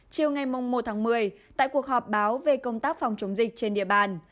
chiều ngày một tháng một mươi tại cuộc họp báo về công tác phòng chống dịch trên địa bàn